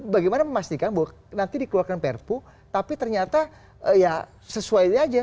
bagaimana memastikan bahwa nanti dikeluarkan perpu tapi ternyata ya sesuai aja